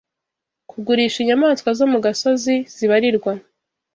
kugurisha inyamaswa zo mu gasozi zibarirwa